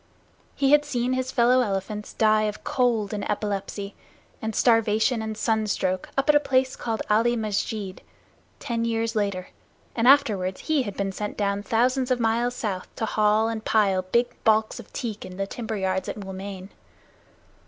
He had seen his fellow elephants die of cold and epilepsy and starvation and sunstroke up at a place called Ali Musjid, ten years later; and afterward he had been sent down thousands of miles south to haul and pile big balks of teak in the timberyards at Moulmein.